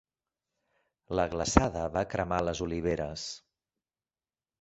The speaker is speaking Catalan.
La glaçada va cremar les oliveres.